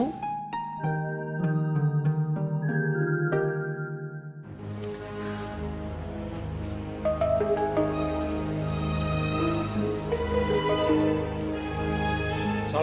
tidak ada yang bisa